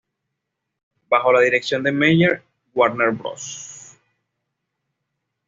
Bajo la dirección de Meyer, Warner Bros.